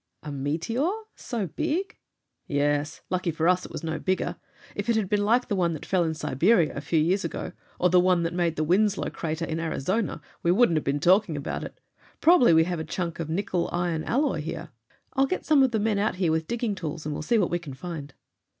"A meteor? So big?" "Yes. Lucky for us it was no bigger. If it had been like the one that fell in Siberia a few years ago, or the one that made the Winslow crater in Arizona we wouldn't have been talking about it. Probably we have a chunk of nickel iron alloy here." "I'll get some of the men out here with digging tools, and we'll see what we can find."